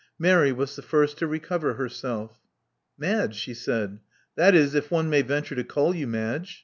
Mary was the first to recover herself. Madge," she said: — '*that is, if one may venture to call you Madge."